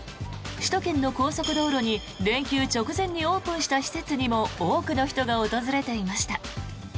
首都圏の高速道路に連休直前にオープンした施設にも多くの人が訪れていました。